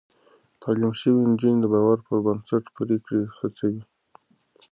تعليم شوې نجونې د باور پر بنسټ پرېکړې هڅوي.